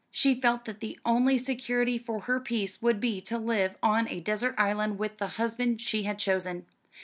She felt that the only security for her peace would be to live on a desert island with the husband she had chosen.